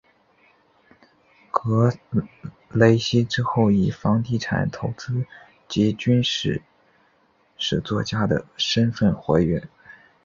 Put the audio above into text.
格雷西之后以房地产投资及军事史作家的身分活跃。